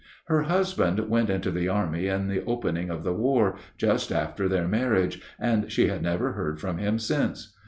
Her husband went into the army in the opening of the war, just after their marriage, and she had never heard from him since.